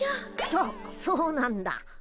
そそうなんだ。